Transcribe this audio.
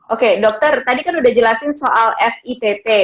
oke dokter tadi kan udah jelasin soal fitp